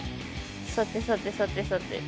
さてさてさてさて。